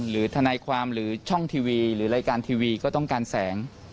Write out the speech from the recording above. ทนายความหรือช่องทีวีหรือรายการทีวีก็ต้องการแสง